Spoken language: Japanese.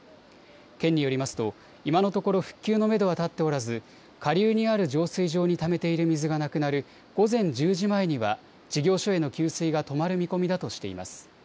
県によりますと今のところ復旧のめどは立っておらず下流にある浄水場にためている水がなくなる午前１０時前には事業所への給水が止まる見込みだとしています。